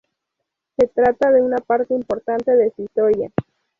Se trata de una parte importante de su historia.